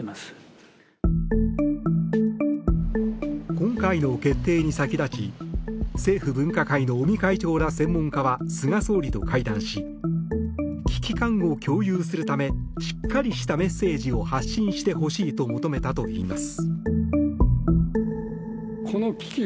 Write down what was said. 今回の決定に先立ち政府分科会の尾身会長ら専門家は菅総理と会談し危機感を共有するためしっかりしたメッセージを発信してほしいと求めたといいます。